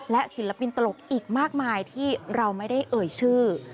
และศิลปินตลกอีกมากมายที่เราไม่ได้เอ่ยชื่อ